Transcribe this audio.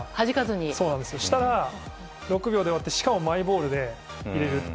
そうしたら６秒で終わったししかもマイボールで入れるって。